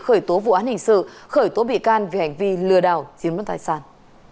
khởi tố vụ án hình sự khởi tố bị can vì hành vi lừa đảo chiếm đoạt tài sản